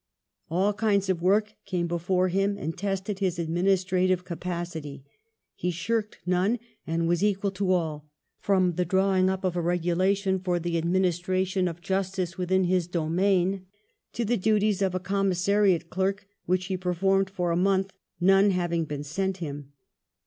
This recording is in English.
All kinds of work came before him, and tested his administrative capacity; he shirked none and was equal to all — from the drawing up a regulation for the admin istration of justice within his domain, to the duties of a commissariat clerk, which he performed for a month, none having been sent him.